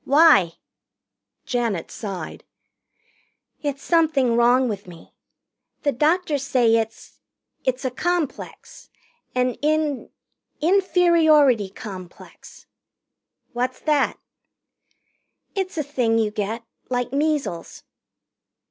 "Why?" Janet sighed. "It's something wrong with me. The doctors say it's it's a complex. An in inferiority complex." "What's that?" "It's a thing you get, like measles."